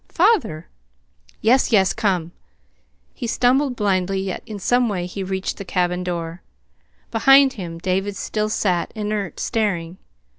"Father!" "Yes, yes, come!" He stumbled blindly, yet in some way he reached the cabin door. Behind him David still sat, inert, staring.